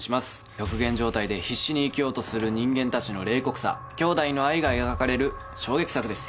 極限状態で必死に生きようとする人間たちの冷酷さ兄弟の愛が描かれる衝撃作です